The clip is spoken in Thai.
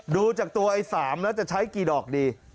ดูจากตัวไอ้๓แล้วจะใช้กี่ดอกดี